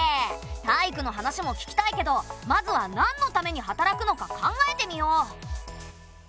タイイクの話も聞きたいけどまずはなんのために働くのか考えてみよう。